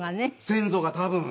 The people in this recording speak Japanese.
先祖が多分。